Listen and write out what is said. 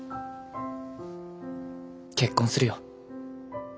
結婚するよ。